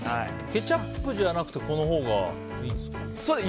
ケチャップじゃなくてこのほうがいいんですか？